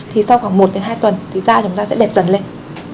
thì sau khoảng một đến hai tuần thì da chúng ta sẽ đẹp dần lên